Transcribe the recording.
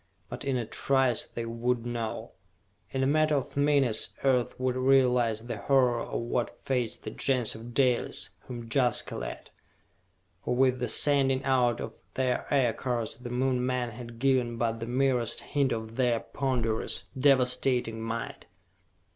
But in a trice they would know. In a matter of minutes Earth would realize the horror of what faced the Gens of Dalis, whom Jaska led! For with the sending out of their Aircars the Moon men had given but the merest hint of their ponderous, devastating might!